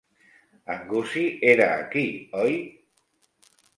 En Gussie era aquí, oi?